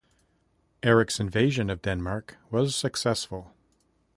Eric's invasion of Denmark was successful.